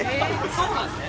そうなんですね。